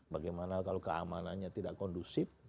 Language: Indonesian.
bagaimana kalau keamanannya tidak kondusif